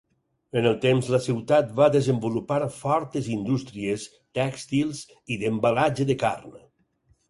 En el temps la ciutat va desenvolupar fortes Indústries tèxtils i d'embalatge de carn.